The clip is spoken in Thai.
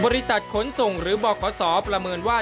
บริษัทขนส่งหรือบขศประเมินว่า